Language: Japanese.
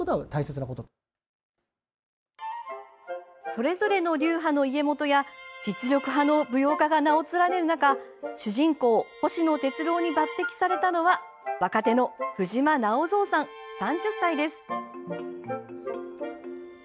それぞれの流派の家元や実力派の舞踊家が名を連ねる中主人公・星野鉄郎に抜てきされたのは若手の藤間直三さん３０歳です。